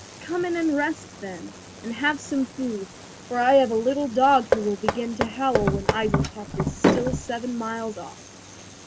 "Come in and rest then, and have some food, for I have a little dog who will begin to howl when Eisenkopf is still seven miles off."